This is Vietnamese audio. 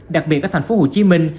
đặc biệt ở thành phố hồ chí minh